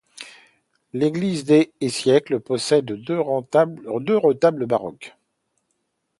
Église des et siècles, possède deux retables baroques.